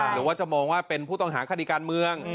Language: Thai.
หรือว่าจะมองว่าเป็นผู้ต้องหาคดีการเมือง